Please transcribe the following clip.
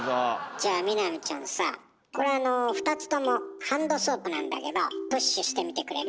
じゃあ美波ちゃんさこれはあの２つともハンドソープなんだけどプッシュしてみてくれる？